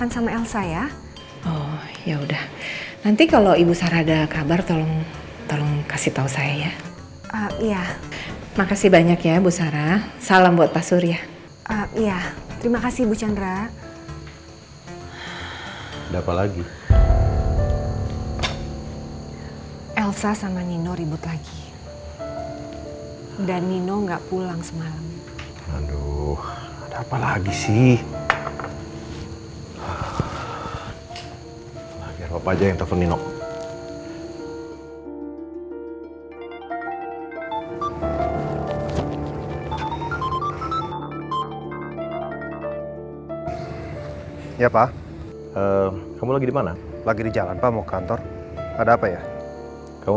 sampai jumpa di video selanjutnya